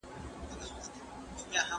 ¬ د چلم سر، د پلو پاى.